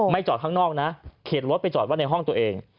จอดข้างนอกนะเข็นรถไปจอดไว้ในห้องตัวเอง